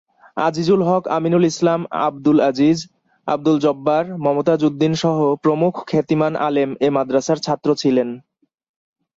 আজিজুল হক, আমিনুল ইসলাম, আবদুল আজিজ, আবদুল জব্বার, মমতাজ উদ্দীন সহ প্রমুখ খ্যাতিমান আলেম এ মাদ্রাসার ছাত্র ছিলেন।